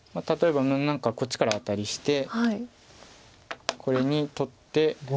例えば何かこっちからアタリしてこれに取って。